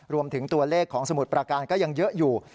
รวมถึงตัวเลขของสมุทรประการก็ยังเยอะอยู่